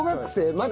まだ？